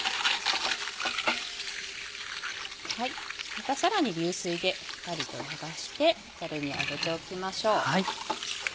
またさらに流水でしっかりと流してざるに上げておきましょう。